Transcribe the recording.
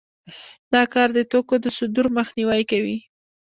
دا کار د توکو د صدور مخنیوی کوي